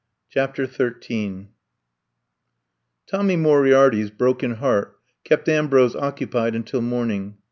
CHAPTER Xm TOMMY MOBIAEITY'S broken heart kept Ambrose occupied until morn ing.